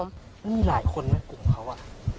มันมีหลายคนไหมกลุ่มเขาอ่ะ